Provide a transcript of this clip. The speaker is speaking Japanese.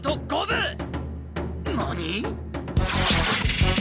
何！？